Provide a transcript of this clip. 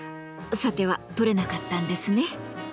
さては撮れなかったんですね。